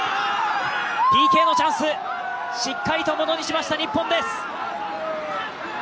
ＰＫのチャンス、しっかりとものにしました日本です。